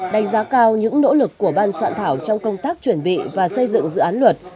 đánh giá cao những nỗ lực của ban soạn thảo trong công tác chuẩn bị và xây dựng dự án luật